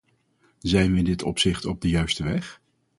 Zijn we in dit opzicht op de juiste weg?